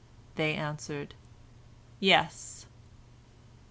They answered, "Yes!"